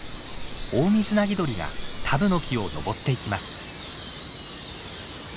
オオミズナギドリがタブノキを登っていきます。